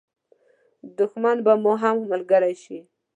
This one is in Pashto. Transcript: دښمن به مو هم ملګری شي.